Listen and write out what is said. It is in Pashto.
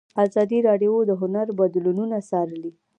ازادي راډیو د هنر بدلونونه څارلي.